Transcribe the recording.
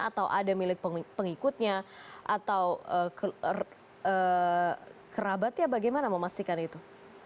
atau ada milik pengikutnya atau kerabatnya bagaimana memastikan itu